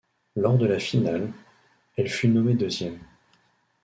Lors de la finale, elle fut nommée deuxième.